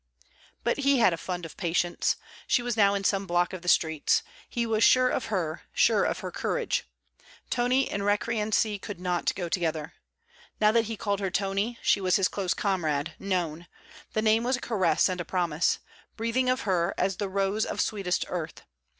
But he had a fund of patience. She was now in some block of the streets. He was sure of her, sure of her courage. Tony and recreancy could not go together. Now that he called her Tony, she was his close comrade, known; the name was a caress and a promise, breathing of her, as the rose of sweetest earth.